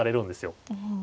うん。